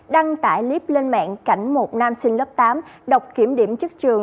đăng tải clip lên mạng cảnh một nam sinh lớp tám đọc kiểm điểm chức trường